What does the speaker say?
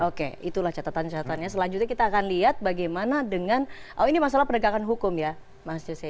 oke itulah catatan catatannya selanjutnya kita akan lihat bagaimana dengan oh ini masalah penegakan hukum ya mas jose